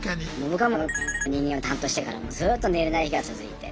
僕はの人間を担当してからずっと寝れない日が続いて。